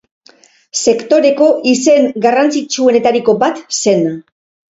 Sektoreko izen garrantzitsuenetariko bat zen.